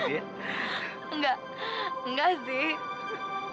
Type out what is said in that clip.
enggak enggak sih